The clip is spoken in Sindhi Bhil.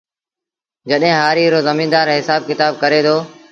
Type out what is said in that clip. جڏهيݩ هآريٚ رو زميݩدآر هسآب ڪتآب ڪري دو